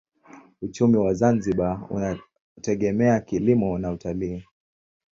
Uchumi wa Zanzibar unategemea kilimo na utalii.